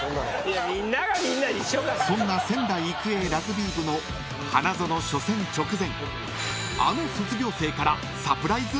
［そんな仙台育英ラグビー部の花園初戦直前］